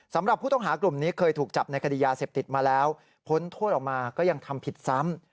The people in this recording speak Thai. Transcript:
สำหรับผู้ต้องหากลุ่มนี้เคยถูกจับในคดียาเสพติดมาแล้วพ้นโทษออกมาก็ยังทำผิดซ้ำ